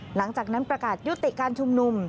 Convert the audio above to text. หลังจากนั้นประกาศยุติการชุมนุม